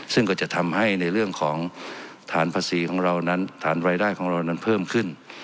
ซึ่งก็จะทำให้ในเรื่องของฐานภาษีของเรานั้นฐานรายได้ของเรานั้นเพิ่มขึ้น